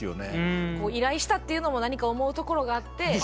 依頼したっていうのも何か思うところがあって。